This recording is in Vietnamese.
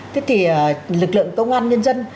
thế thì lực lượng công an nhân dân